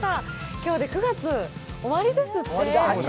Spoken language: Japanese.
今日で９月、終りですって。